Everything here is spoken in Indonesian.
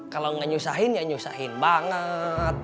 kalo gak nyusahin ya nyusahin banget